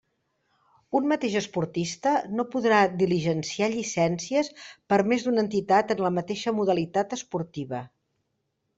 Un mateix esportista no podrà diligenciar llicències per més d'una entitat en la mateixa modalitat esportiva.